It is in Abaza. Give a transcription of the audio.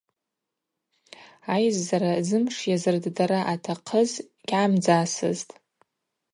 Айззара зымш йазырддара атахъыз гьгӏамдзасызтӏ.